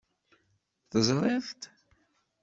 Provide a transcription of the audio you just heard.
Teẓṛiḍ-t?